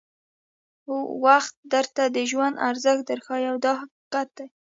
وخت درته د ژوند ارزښت در ښایي دا حقیقت دی.